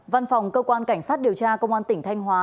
văn phòng cơ quan cảnh sát điều tra công an tỉnh thanh hóa